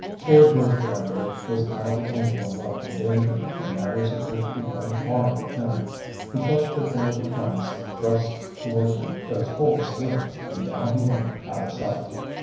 Poor George Granbury was now the only one left in danger, and matters appeared to be going hard with him. He clutched at one of the planks thrust toward him, but his hold slipped and down he went out of sight.